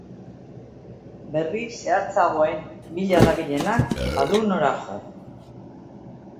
Berri zehatzagoen bila dabilenak badu nora jo.